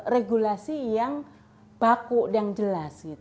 regulasi yang baku yang jelas